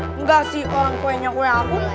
enggak sih orang kuenya kue aku